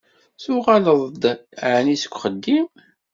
Tuɣaleḍ-d ɛni seg uxeddim?